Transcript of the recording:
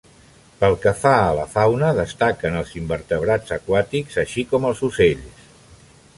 Pel que fa a la fauna, destaquen els invertebrats aquàtics, així com els ocells.